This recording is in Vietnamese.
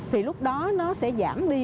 thì lúc đó nó sẽ giảm đi